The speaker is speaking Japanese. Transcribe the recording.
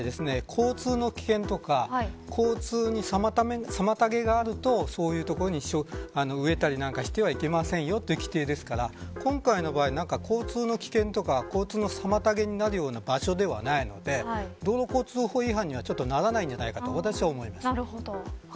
交通の危険とか交通の妨げがあるとそういう所に植えたりなんかしてはいけませんよという規定ですから今回の場合、交通の危険とか交通の妨げになるような場所ではないので道路交通法違反にはちょっとならないんじゃないかと私は思います。